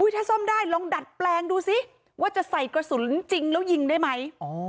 ถ้าซ่อมได้ลองดัดแปลงดูสิว่าจะใส่กระสุนจริงแล้วยิงได้ไหม